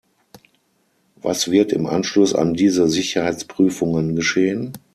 Was wird im Anschluss an diese Sicherheitsprüfungen geschehen?